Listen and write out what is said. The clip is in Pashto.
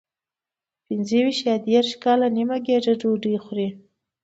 پنځه ویشت یا دېرش کاله نیمه ګېډه ډوډۍ خوري.